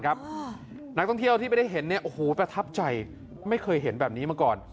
นักท่องเที่ยวที่ไม่ได้เห็นประทับใจไม่เคยเห็นแบบนี้มาก่อน